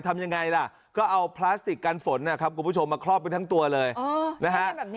ทำยังไงล่ะก็เอาพลาสติกกันฝนนะครับคุณผู้ชมมาครอบไปทั้งตัวเลยนะฮะ